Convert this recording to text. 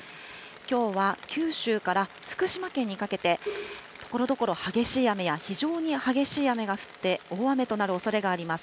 きょうは九州から福島県にかけて、ところどころ、激しい雨や非常に激しい雨が降って、大雨となるおそれがあります。